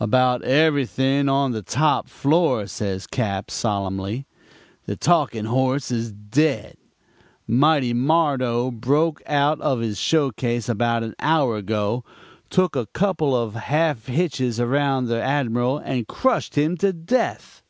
"'About everything on the top floor,' says Cap., solemnly. 'The Talking Horse is dead. Mighty Mardo broke out of his showcase about an hour ago, took a couple of half hitches around the Admiral and crushed him to death.'